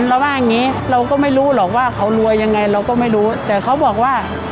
เราว่าอย่างงี้เราก็ไม่รู้หรอกว่าเขารวยยังไงเราก็ไม่รู้แต่เขาบอกว่า